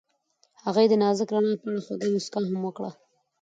هغې د نازک رڼا په اړه خوږه موسکا هم وکړه.